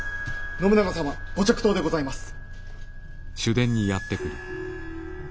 信長様ご着到でございます。